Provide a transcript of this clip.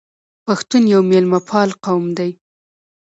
پښتون یو میلمه پال قوم دی.